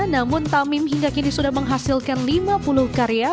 namun tamim hingga kini sudah menghasilkan lima puluh karya